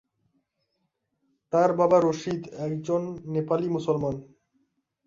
তার বাবা রশিদ একজন নেপালি মুসলিম।